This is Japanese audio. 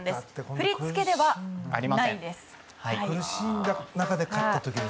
振り付けではありません。